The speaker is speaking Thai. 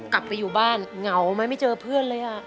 กลับไปอยู่บ้านเหงาไหมไม่เจอเพื่อนเลย